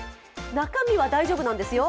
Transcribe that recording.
中身は大丈夫なんですよ。